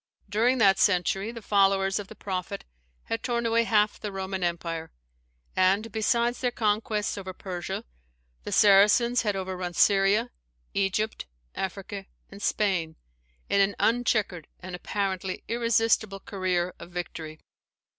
During that century the followers of the Prophet had torn away half the Roman empire; and besides their conquests over Persia, the Saracens had overrun Syria, Egypt, Africa, and Spain, in an unchequered and apparently irresistible career of victory.